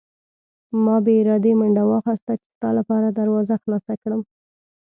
ما بې ارادې منډه واخیسته چې ستا لپاره دروازه خلاصه کړم.